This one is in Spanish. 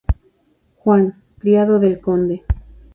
Juan: Criado del conde.